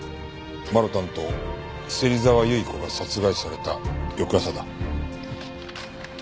マルタンと芹沢結子が殺害された翌朝だ。